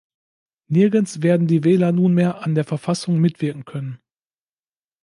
Nirgends werden die Wähler nunmehr an der Verfassung mitwirken können.